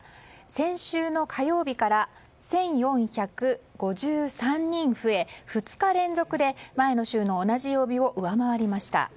先週の火曜日から１４５３人増え２日連続で前の週の同じ曜日を上回りました。